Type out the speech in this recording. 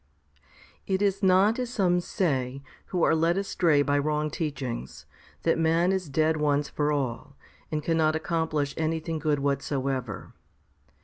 3. It is not as some say, who are led astray by wrong teachings, that man is dead once for all, and cannot accom plish anything good whatsoever.